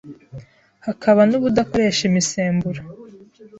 hakaba n’ubudakoresha imisemburo